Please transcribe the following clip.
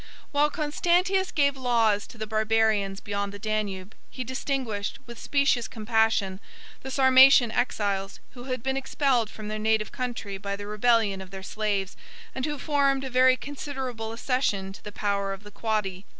While Constantius gave laws to the Barbarians beyond the Danube, he distinguished, with specious compassion, the Sarmatian exiles, who had been expelled from their native country by the rebellion of their slaves, and who formed a very considerable accession to the power of the Quadi.